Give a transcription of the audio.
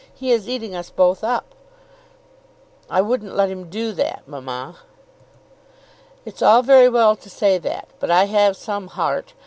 He is eating us both up." "I would not let him do that, mamma." "It's all very well to say that, but I have some heart.